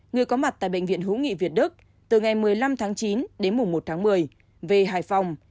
người có mặt tại bệnh viện hữu nghị việt đức từ ngày một mươi năm chín đến mùa một một mươi về hải phòng